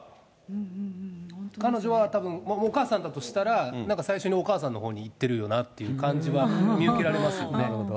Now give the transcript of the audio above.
彼女はたぶん、お母さんだとしたら、なんか最初にお母さんのほうに行ってるよなという感じは見受けらなるほど。